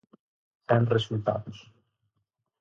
Sen resultados.